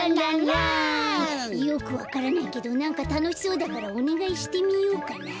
よくわからないけどなんかたのしそうだからおねがいしてみようかな。